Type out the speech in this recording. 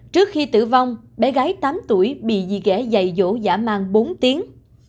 trước khi tử vong bé gái tám tuổi bị dì ghẻ dạy dỗ dã man bốn tiếng